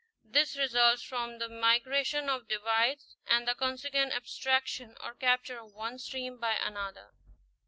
This results from the migration of divides and the consequent abstraction or capture of one stream by another.